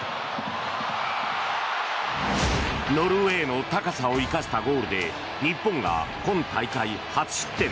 ノルウェーの高さを生かしたゴールで日本が今大会初失点。